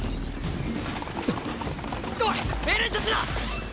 おいエレンたちだ！